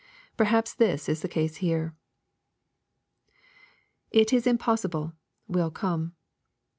Perhaps this is the case here. [It is i7npossible,.,w%R come.